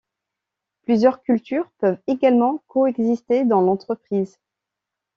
Plusieurs cultures peuvent également coexister dans l’entreprise.